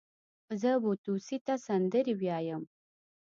زه بو توسې ته سندرې ويايم.